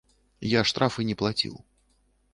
Я штрафы не плаціў.